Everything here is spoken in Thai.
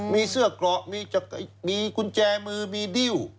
มีเสื้อเกราะมีกุญแจมือมีดิ้ว